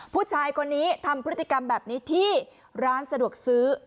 ผู้ชายคนนี้ทำพฤติกรรมแบบนี้ที่ร้านสะดวกซื้อ